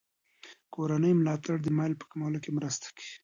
کورني ملاتړ د میل په کمولو کې مرسته کوي.